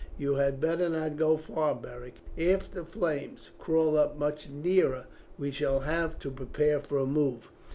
You had better not go far away, Beric; if the flames crawl up much nearer we shall have to prepare for a move.